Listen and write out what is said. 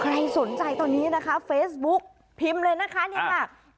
ใครสนใจตอนนี้นะคะเฟซบุ๊กพิมพ์เลยนะคะนี่ค่ะ